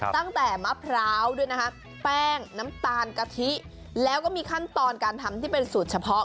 ตั้งแต่มะพร้าวด้วยนะคะแป้งน้ำตาลกะทิแล้วก็มีขั้นตอนการทำที่เป็นสูตรเฉพาะ